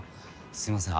すみません